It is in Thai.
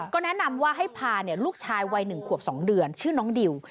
ก็แนะนำว่าให้พาลูกชายวัย๑ขวบ๒เดือนชื่อน้องดิว